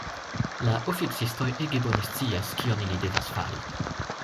La oficistoj ege bone scias, kion ili devas fari.